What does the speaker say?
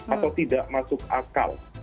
atau tidak masuk akal